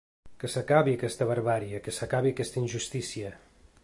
Que s’acabi aquesta barbàrie, que s’acabi aquesta injustícia.